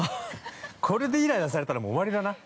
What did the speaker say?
◆これでイライラされたら、もう終わりだな。